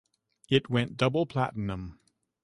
It went Double Platinum.